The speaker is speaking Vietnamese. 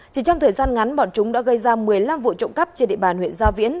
chỉ trong thời gian ngắn bọn chúng đã gây ra một mươi năm vụ trộm cắp trên địa bàn huyện gia viễn